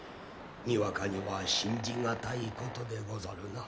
にわかには信じ難いことでござるな。